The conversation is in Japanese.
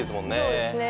「そうですね」